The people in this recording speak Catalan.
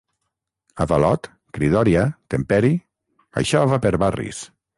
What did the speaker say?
Avalot, cridòria, temperi, això va per barris.